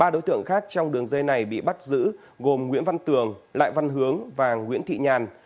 ba đối tượng khác trong đường dây này bị bắt giữ gồm nguyễn văn tường lại văn hướng và nguyễn thị nhàn